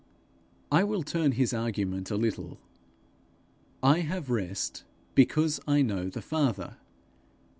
I will turn his argument a little. 'I have rest because I know the Father.